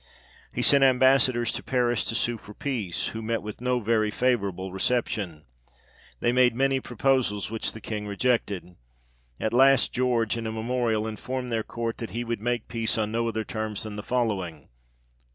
He sent Ambassadors to Paris, to sue for peace, who met with no very favourable reception. They made many proposals, which the King rejected ; at last, George in a memorial, informed their court, that he would make peace on no other terms than the following : i.